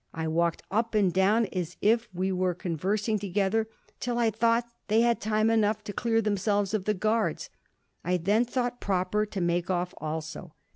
I walked up and down as if we were conversing together, till I thought they had time enough to clear themselves of the guards. I then thought proper to make off also.